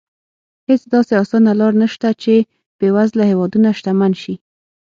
هېڅ داسې اسانه لار نه شته چې بېوزله هېوادونه شتمن شي.